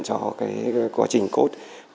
cho quá trình cốt